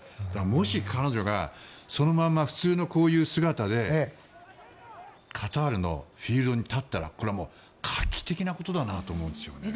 もし彼女がそのまま普通のこういう姿でカタールのフィールドに立ったらこれは画期的なことだなと思うんですよね。